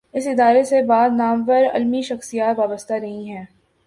اس ادارے سے بعض نامور علمی شخصیات وابستہ رہی ہیں۔